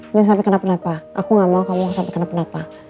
jangan sampai kenapa kenapa aku gak mau kamu sampai kenapa